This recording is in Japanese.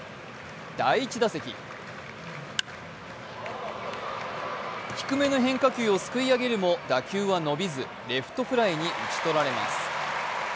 第１打席、低めの変化球をすくい上げるも打球は伸びずレフトフライに打ち取られます。